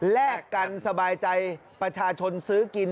แลกกันสบายใจประชาชนซื้อกิน